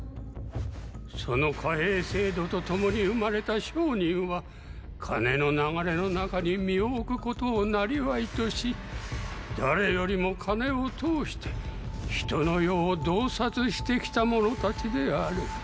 その貨幣制度と共に生まれた“商人”は金の流れの中に身をおくことを生業とし誰よりも金を通して人の世を洞察してきた者たちである。